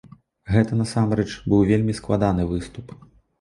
Гэта насамрэч быў вельмі складаны выступ.